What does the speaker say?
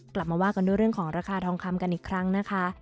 กลับมาว่ากันด้วยเรื่องของราคาทองคำกันอีกครั้งนะคะ